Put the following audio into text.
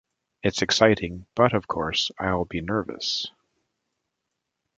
It's exciting but, of course, I'll be nervous.